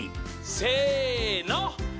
せの！